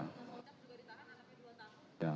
anaknya dua tahun